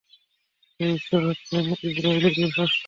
সেই ঈশ্বর হচ্ছেন ইজরাইলীদের স্রষ্টা!